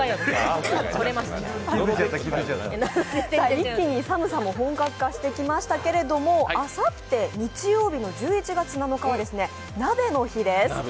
一気に寒さも本格化してきましたけどあさって日曜日の１１月７日は鍋の日です。